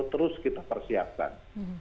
terus kita persiapkan